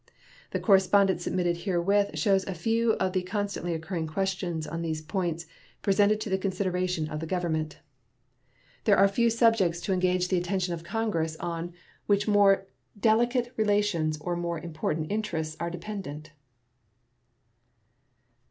The correspondence submitted herewith shows a few of the constantly occurring questions on these points presented to the consideration of the Government. There are few subjects to engage the attention of Congress on which more delicate relations or more important interests are dependent.